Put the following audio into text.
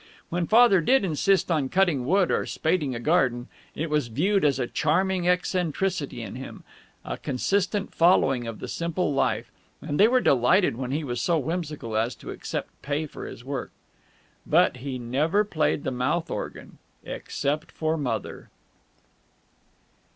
When Father did insist on cutting wood or spading a garden, it was viewed as a charming eccentricity in him, a consistent following of the simple life, and they were delighted when he was so whimsical as to accept pay for his work. But he never played the mouth organ except to Mother!